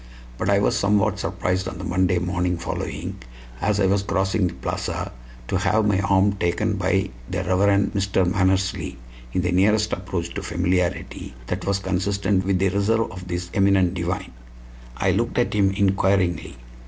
But I was somewhat surprised on the Monday morning following, as I was crossing the plaza, to have my arm taken by the Rev. Mr. Mannersley in the nearest approach to familiarity that was consistent with the reserve of this eminent divine. I looked at him inquiringly.